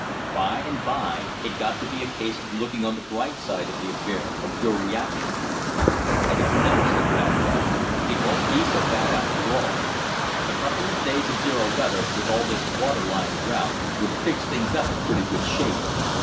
By and by it got to be a case of looking on the bright side of the affair from pure reaction. "I don't know," said Radway, "it won't be so bad after all. A couple of days of zero weather, with all this water lying around, would fix things up in pretty good shape.